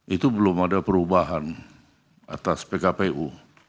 itu belum ada perubahan atas pkpu